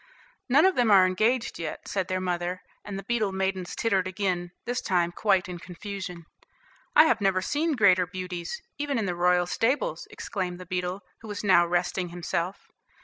"None of them are engaged yet," said their mother, and the beetle maidens tittered again, this time quite in confusion. "I have never seen greater beauties, even in the royal stables," exclaimed the beetle, who was now resting himself.